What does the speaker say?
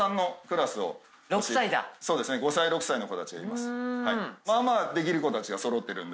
５歳６歳の子たちがいます。